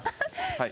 はい。